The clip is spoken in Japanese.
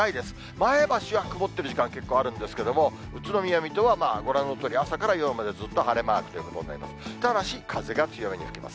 前橋は曇っている時間、結構あるんですけども、宇都宮、水戸は、ご覧のとおり朝から夜まで晴れマーク、ただし風が強めに吹きます。